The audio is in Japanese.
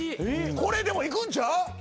これでもいくんちゃう